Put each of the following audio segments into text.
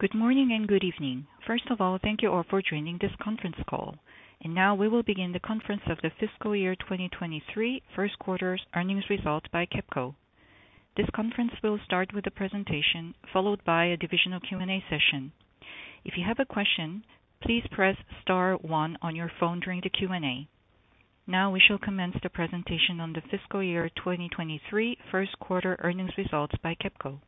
Good morning and good evening. First of all, thank you all for joining this conference call. Now we will begin the conference of the fiscal year 2023 first quarters earnings results by KEPCO. This conference will start with a presentation followed by a divisional Q&A session. If you have a question, please press star one on your phone during the Q&A. Now we shall commence the presentation on the fiscal year 2023 first quarter earnings results by KEPCO.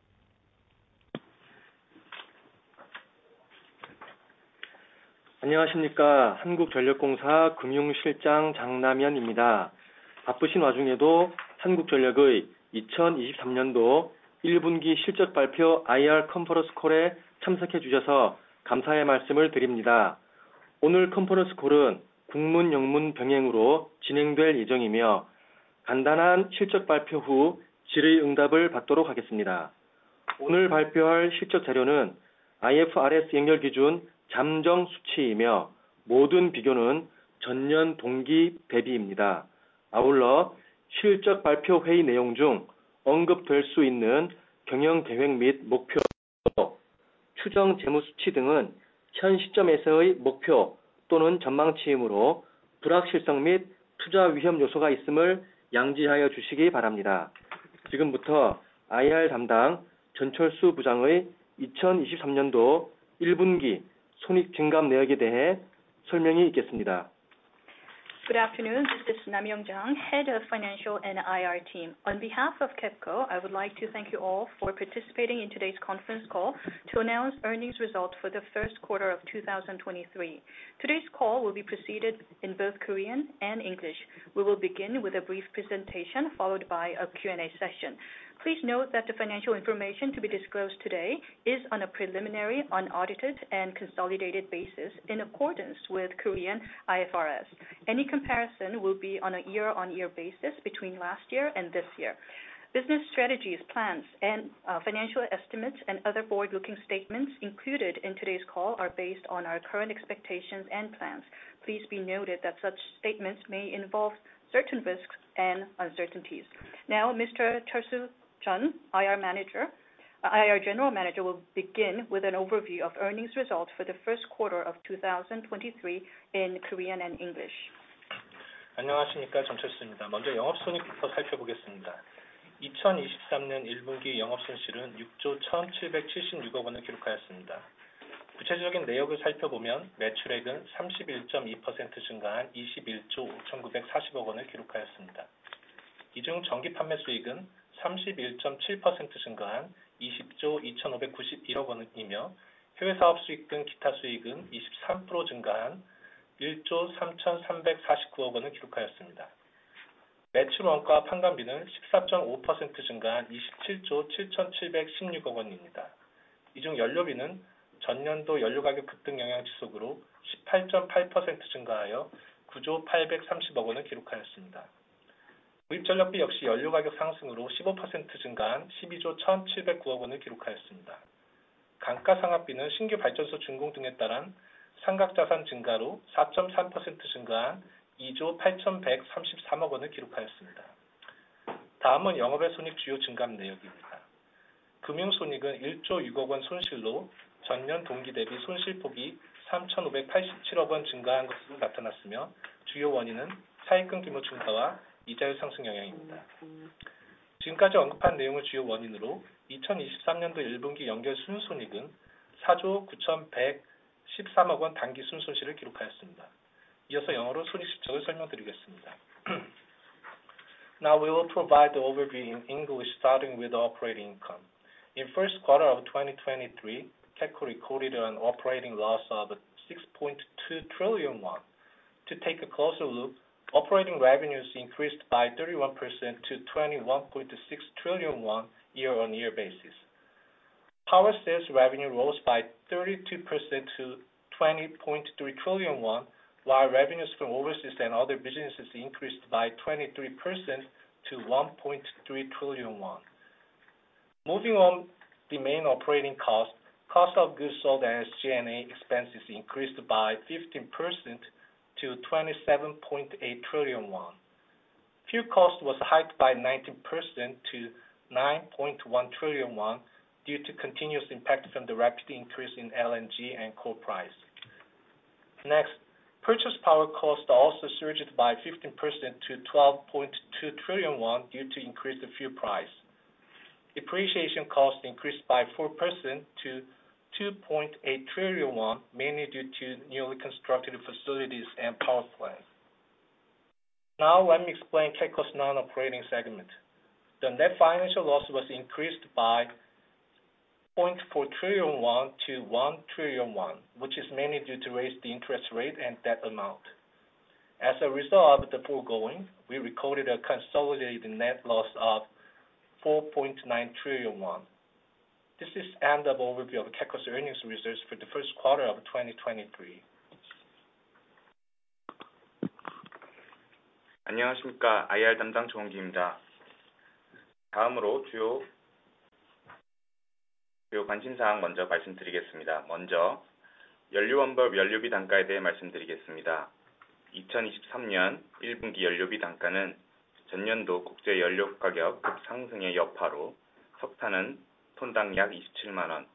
Good afternoon. This is Nam Yong Jang, Head of Financial and IR Team. On behalf of KEPCO, I would like to thank you all for participating in today's conference call to announce earnings results for the first quarter of 2023. Today's call will be proceeded in both Korean and English. We will begin with a brief presentation followed by a Q&A session. Please note that the financial information to be disclosed today is on a preliminary, unaudited, and consolidated basis in accordance with Korean IFRS. Any comparison will be on a year-on-year basis between last year and this year. Business strategies, plans and financial estimates and other forward-looking statements included in today's call are based on our current expectations and plans. Please be noted that such statements may involve certain risks and uncertainties. Now, Mr. Cheon Chul-soo, IR General Manager will begin with an overview of earnings results for the first quarter of 2023 in Korean and English. We will provide the overview in English, starting with operating income. In 1st quarter of 2023, KEPCO recorded an operating loss of 6.2 trillion won. To take a closer look, operating revenues increased by 31% to 21.6 trillion won year-on-year basis. Power sales revenue rose by 32% to 20.3 trillion won, while revenues from overseas and other businesses increased by 23% to 1.3 trillion won. Moving on the main operating cost. Cost of goods sold and SG&A expenses increased by 15% to 27.8 trillion won. Fuel cost was hiked by 19% to 9.1 trillion won due to continuous impact from the rapid increase in LNG and coal price. Next, purchase power cost also surged by 15% to 12.2 trillion won due to increased fuel price. Depreciation cost increased by 4% to 2.8 trillion won, mainly due to newly constructed facilities and power plants. Now let me explain KEPCO's non-operating segment. The net financial loss was increased by 0.4 trillion won to 1 trillion won, which is mainly due to raised interest rate and debt amount. As a result of the foregoing, we recorded a consolidated net loss of 4.9 trillion won. This is end of overview of KEPCO's earnings results for the first quarter of 2023. 2023 1분기 연료비 단가는 전년도 국제 연료 가격 상승의 여파로 석탄은 톤당 약 270,000,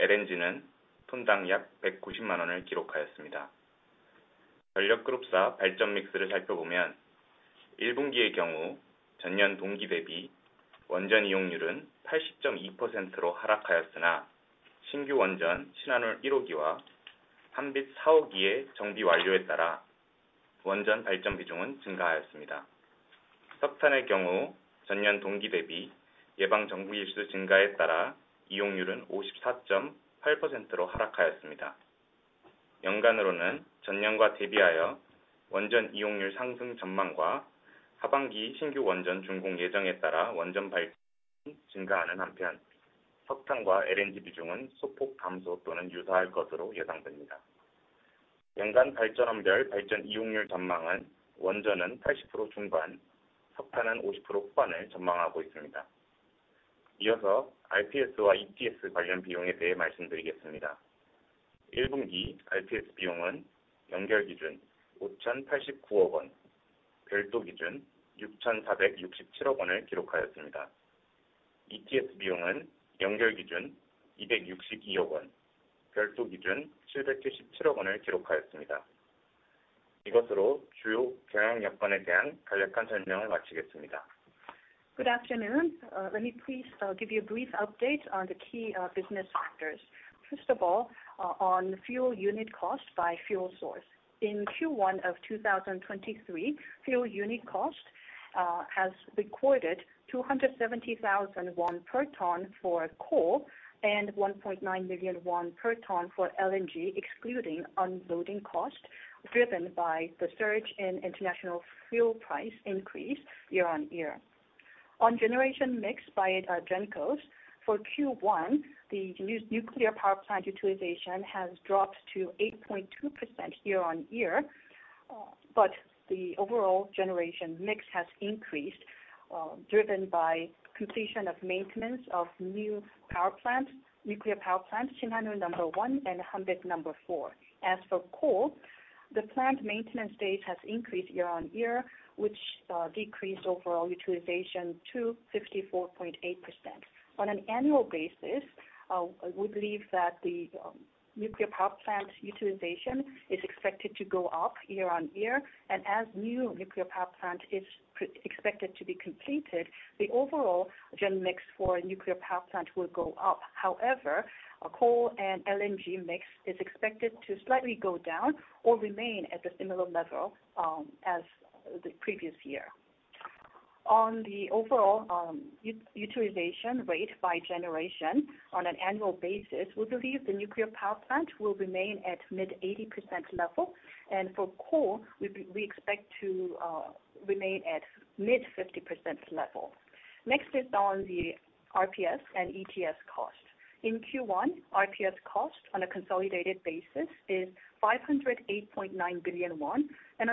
LNG는 톤당 약 KRW 1,900,000을 기록하였습니다. 전력그룹사 발전믹스를 살펴보면 1분기의 경우 전년 동기 대비 원전 이용률은 80.2%로 하락하였으나 신규 원전 신한울 1호기와 한빛 4호기의 정비 완료에 따라 원전 발전 비중은 증가하였습니다. 석탄의 경우 전년 동기 대비 예방 정비 일수 증가에 따라 이용률은 54.8%로 하락하였습니다. 연간으로는 전년과 대비하여 원전 이용률 상승 전망과 하반기 신규 원전 준공 예정에 따라 원전 발전이 증가하는 한편, 석탄과 LNG 비중은 소폭 감소 또는 유사할 것으로 예상됩니다. 연간 발전원별 발전 이용률 전망은 원전은 80% 중반, 석탄은 50% 후반을 전망하고 있습니다. 이어서 RPS와 ETS 관련 비용에 대해 말씀드리겠습니다. 1분기 RPS 비용은 연결 기준 508.9 billion, 별도 기준 646.7 billion을 기록하였습니다. ETS 비용은 연결 기준 26.2 billion, 별도 기준 77.7 billion을 기록하였습니다. 이것으로 주요 경영 여건에 대한 간략한 설명을 마치겠습니다. Good afternoon. Let me please give you a brief update on the key business factors. First of all, on fuel unit cost by fuel source. In Q1 of 2023, fuel unit cost has recorded 270,000 won per ton for coal and 1.9 million won per ton for LNG, excluding unloading cost, driven by the surge in international fuel price increase year-on-year. On generation mix by gencos for Q1, nuclear power plant utilization has dropped to 8.2% year-on-year. The overall generation mix has increased, driven by completion of maintenance of new power plant, nuclear power plants, Shin Hanul 1 and Hanbit number 4. As for coal, the plant maintenance days has increased year-on-year, which decreased overall utilization to 54.8%. On an annual basis, we believe that the nuclear power plant utilization is expected to go up year on year. As new nuclear power plant is expected to be completed, the overall gen mix for nuclear power plant will go up. However, coal and LNG mix is expected to slightly go down or remain at the similar level as the previous year. On the overall utilization rate by generation on an annual basis, we believe the nuclear power plant will remain at mid 80% level. For coal, we expect to remain at mid 50% level. Next is on the RPS and ETS cost. In Q1, RPS cost on a consolidated basis is 508.9 billion won, and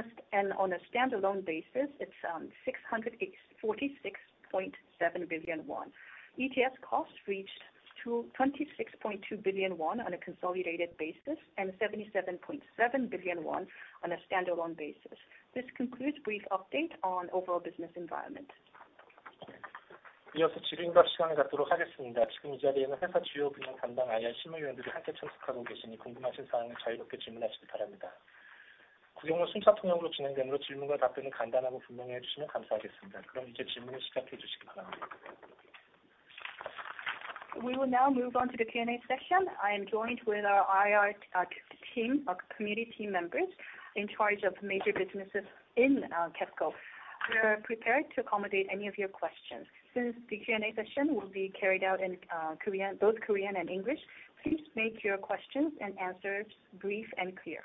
on a standalone basis, it's 646.7 billion won. ETS costs reached 26.2 billion won on a consolidated basis and 77.7 billion won on a standalone basis. This concludes brief update on overall business environment. 이어서 질의응답 시간을 갖도록 하겠습니다. 지금 이 자리에는 회사 주요 부문 담당 IR 실무 요원들이 함께 참석하고 계시니 궁금하신 사항은 자유롭게 질문하시기 바랍니다. 구형은 순차 통역으로 진행되므로 질문과 답변을 간단하고 분명히 해주시면 감사하겠습니다. 그럼 이제 질문을 시작해 주시기 바랍니다. We will now move on to the Q&A session. I am joined with our IR team, community members in charge of major businesses in KEPCO. We are prepared to accommodate any of your questions. Since the Q&A session will be carried out in Korean, both Korean and English, please make your questions and answers brief and clear.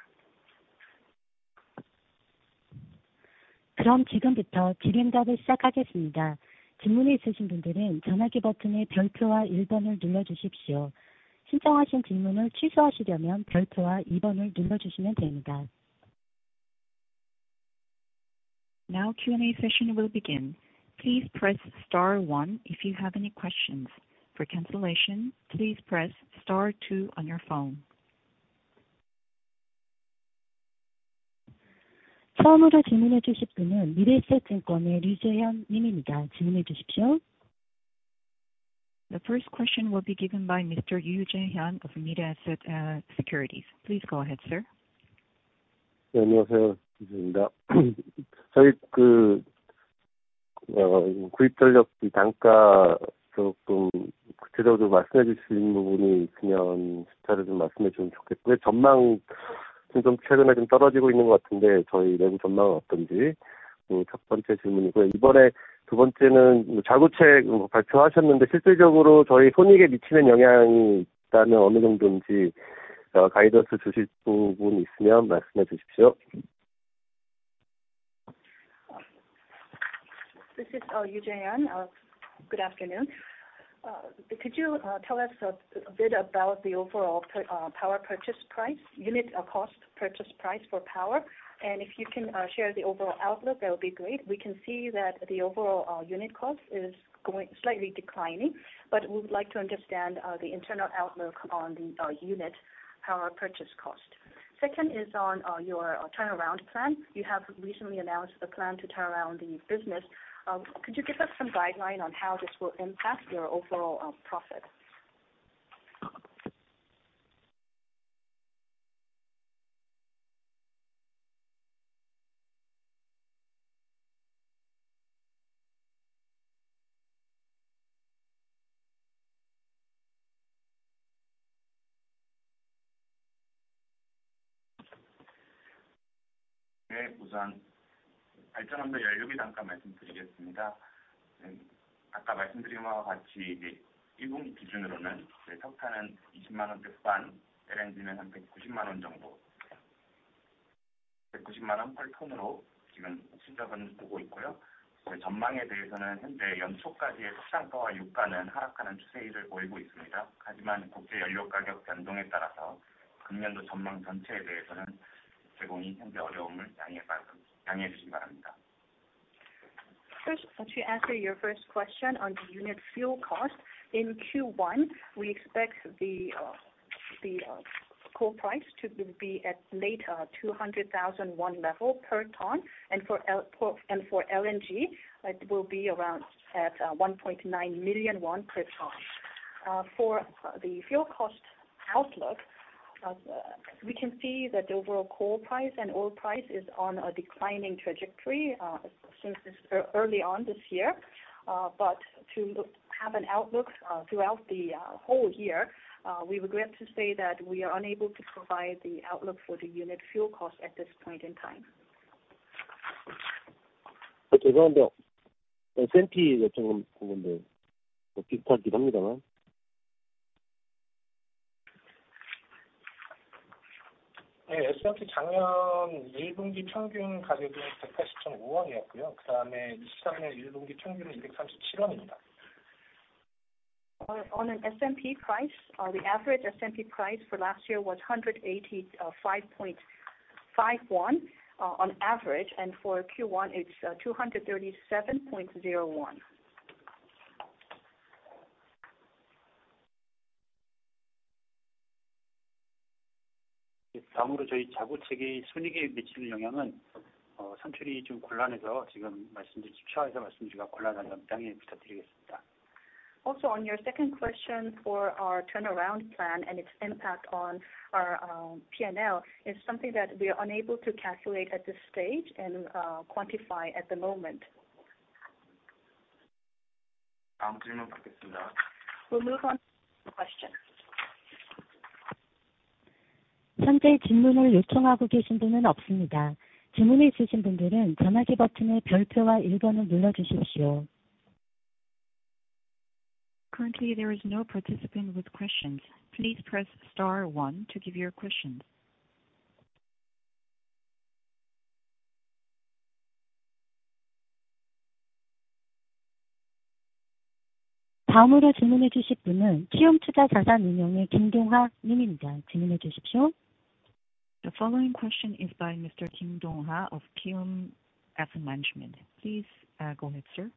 그럼 지금부터 질의응답을 시작하겠습니다. 질문이 있으신 분들은 전화기 버튼의 별표와 일 번을 눌러주십시오. 신청하신 질문을 취소하시려면 별표와 이 번을 눌러주시면 됩니다. Now Q&A session will begin. Please press star one if you have any questions. For cancellation, please press star two on your phone. 처음으로 질문해 주실 분은 미래에셋증권의 유재현 님입니다. 질문해 주십시오. The first question will be given by Mr. Yoo Jae-hyun of Mirae Asset Securities. Please go ahead, sir. 네, 안녕하세요. Yoo Jae-hyun입니다. 저희 그, 구입 전력비 단가 조금 구체적으로 말씀해 주실 수 있는 부분이 있으면 숫자를 좀 말씀해 주면 좋겠고요, 전망은 좀 최근에 좀 떨어지고 있는 것 같은데 저희 내부 전망은 어떤지 그첫 번째 질문이고요. 이번에 두 번째는 자구책 뭐 발표하셨는데 실질적으로 저희 손익에 미치는 영향이 있다면 어느 정도인지, 가이던스 주실 부분 있으면 말씀해 주십시오. This is Yoo Jae-hyun. Good afternoon. Could you tell us a bit about the overall power purchase price, unit cost purchase price for power? If you can share the overall outlook, that would be great. We can see that the overall unit cost is going slightly declining, but we would like to understand the internal outlook on the unit power purchase cost. Second is on your turnaround plan. You have recently announced the plan to turn around the business. Could you give us some guideline on how this will impact your overall profit? First, to answer your first question on the unit fuel cost. In Q1, we expect the coal price to be at late 200,000 won level per ton. For LNG, it will be around at 1.9 million won per ton. For the fuel cost outlook, we can see that the overall coal price and oil price is on a declining trajectory since early on this year. But to have an outlook throughout the whole year, we regret to say that we are unable to provide the outlook for the unit fuel cost at this point in time. On an SMP price, the average SMP price for last year was 185.5 on average. For Q1, it's KRW 237.0. On your second question for our turnaround plan and its impact on our PNL is something that we are unable to calculate at this stage and quantify at the moment. We'll move on to the next question. Currently, there is no participant with questions. Please press star one to give your questions. The following question is by Mr. Kim Dong Ha of Kim Asset Management. Please go ahead, sir.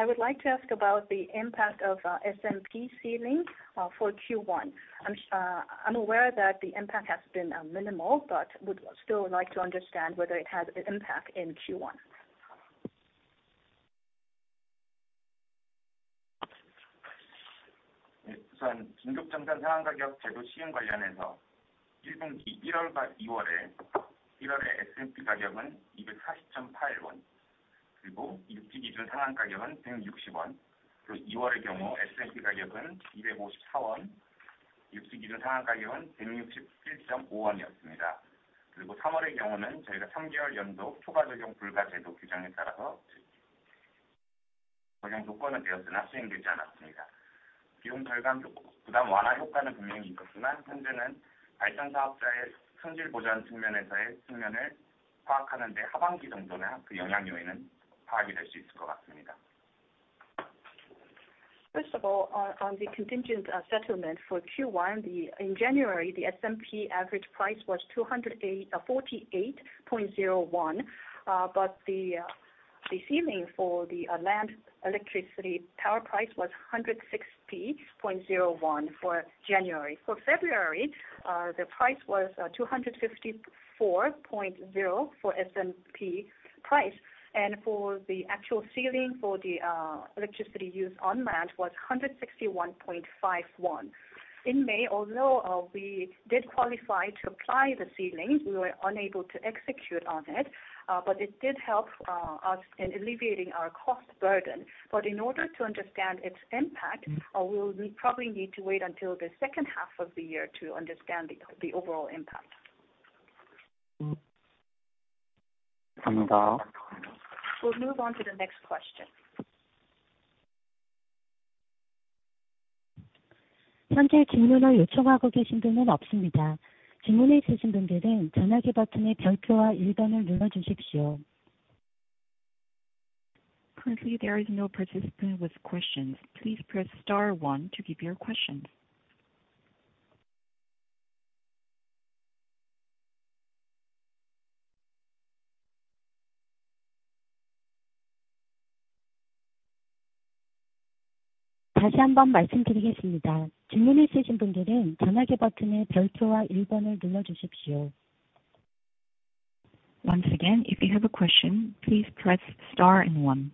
I would like to ask about the impact of SMP ceiling for Q1. I'm aware that the impact has been minimal, but would still like to understand whether it had an impact in Q1. First of all, on the contingent settlement for Q1. In January, the SMP average price was 248.0. The ceiling for the land electricity power price was 160.0 for January. For February, the price was 254.0 for SMP price. For the actual ceiling for the electricity used on land was 161.5. In May, although we did qualify to apply the ceiling, we were unable to execute on it. It did help us in alleviating our cost burden. In order to understand its impact. Mm-hmm. We probably need to wait until the second half of the year to understand the overall impact. We'll move on to the next question. Currently, there is no participant with questions. Please press star one to give your questions. Once again, if you have a question, please press star and one.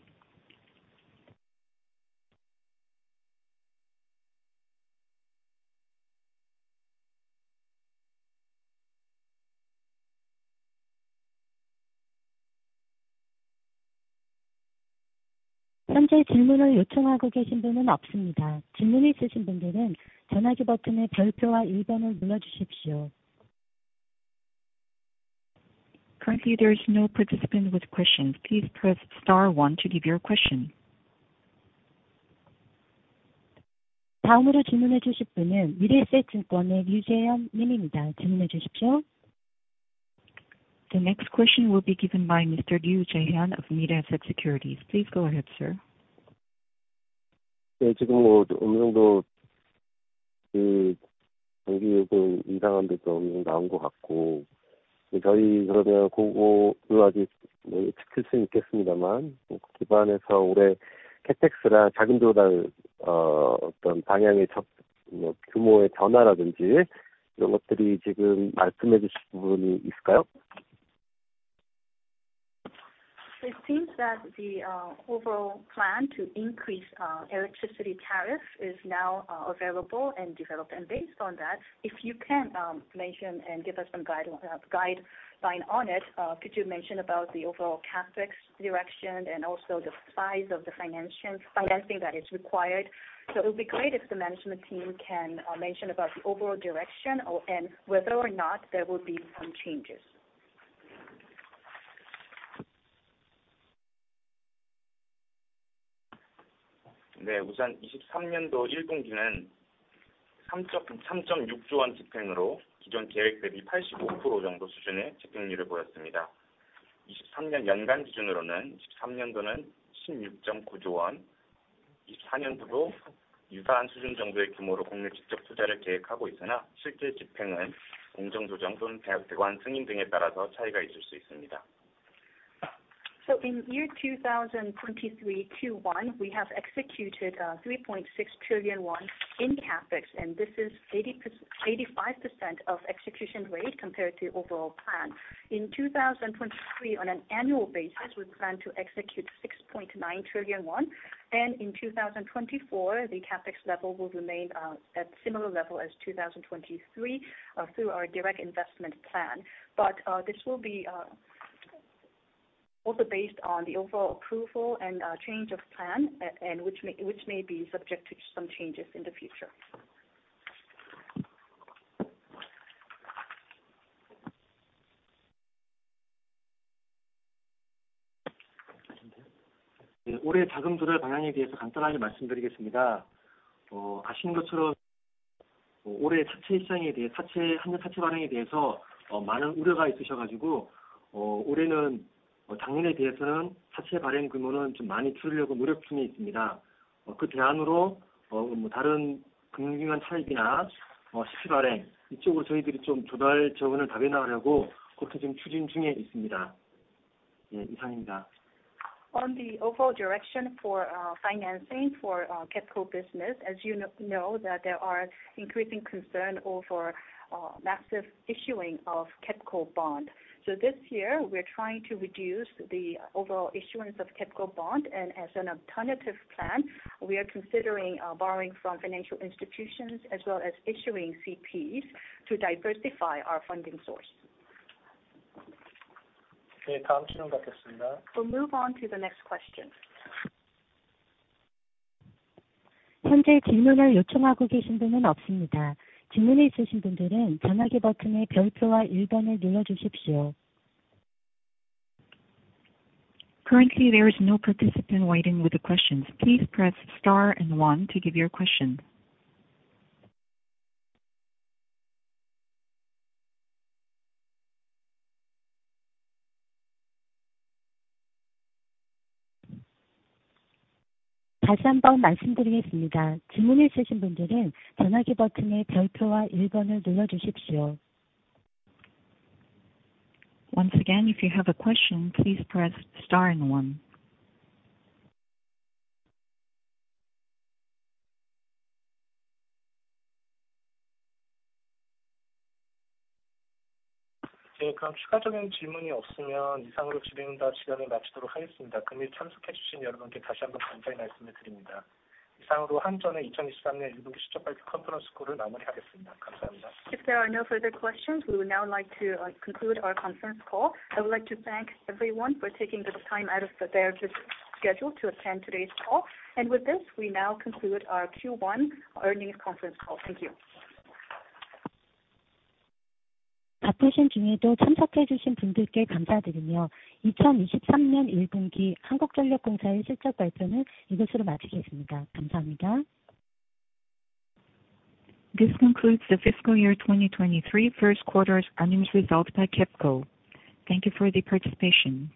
Currently, there is no participant with questions. Please press star one to give your question. The next question will be given by Mr. Yoo Jae-hyun of Mirae Asset Securities. Please go ahead, sir. It seems that the overall plan to increase electricity tariff is now available and developed. Based on that, if you can mention and give us some guideline on it, could you mention about the overall CapEx direction and also the size of the financing that is required? It would be great if the management team can mention about the overall direction or and whether or not there will be some changes. In year 2023 Q1, we have executed 3.6 trillion won in CapEx, and this is 85% of execution rate compared to overall plan. In 2023, on an annual basis, we plan to execute 6.9 trillion won. In 2024, the CapEx level will remain at similar level as 2023 through our direct investment plan. This will be also based on the overall approval and change of plan, and which may be subject to some changes in the future. On the overall direction for financing for KEPCO business, as you know that there are increasing concern over massive issuing of KEPCO bond. This year we're trying to reduce the overall issuance of KEPCO bond. As an alternative plan, we are considering borrowing from financial institutions as well as issuing CPs to diversify our funding source. We'll move on to the next question. Currently, there is no participant waiting with the questions. Please press star and one to give your question. Once again, if you have a question, please press star and one. If there are no further questions, we would now like to conclude our conference call. I would like to thank everyone for taking the time out of their busy schedule to attend today's call. With this, we now conclude our Q1 earnings conference call. Thank you. This concludes the fiscal year 23 first quarter's earnings results by KEPCO. Thank you for the participation.